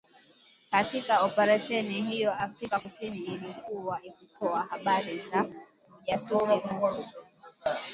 Katika Oparesheni hiyo, Afrika kusini ilikuwa ikitoa habari za ujasusi huku